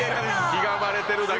ひがまれてるだけ。